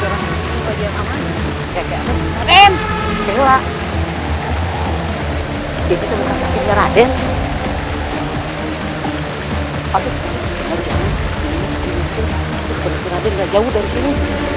rai lihat perbuatanmu